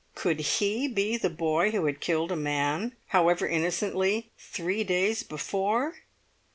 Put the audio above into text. Could he be the boy who had killed a man, however innocently, three days before!